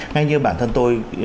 ngay như bản thân tôi